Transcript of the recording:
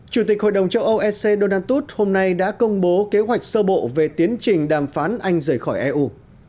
chủ tịch hội đồng châu âu ec donald tus hôm nay đã công bố kế hoạch sơ bộ về tiến trình đàm phán anh rời khỏi eu